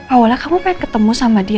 awalnya kamu pengen ketemu sama dia